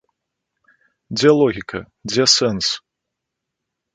Дзе логіка, дзе сэнс?